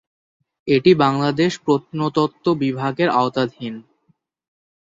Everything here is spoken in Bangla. এটি বাংলাদেশ প্রত্নতত্ত্ব বিভাগের আওতাধীন।